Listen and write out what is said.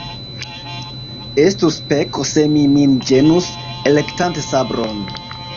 Estus peko, se mi min ĝenus, elektante sabron.